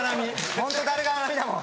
ホントダル絡みだもん。